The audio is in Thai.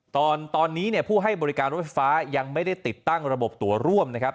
ตอนนี้เนี่ยผู้ให้บริการรถไฟฟ้ายังไม่ได้ติดตั้งระบบตัวร่วมนะครับ